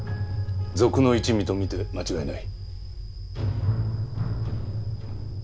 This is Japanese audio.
賊の一味と見て間違いない。